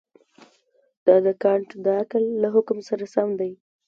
دا د کانټ د عقل له حکم سره سم دی.